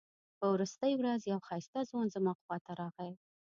په وروستۍ ورځ یو ښایسته ځوان زما خواته راغی.